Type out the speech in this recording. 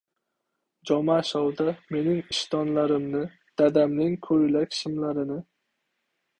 Jomashovda mening ishtonlarimni, dadamning ko‘ylak-shimlarini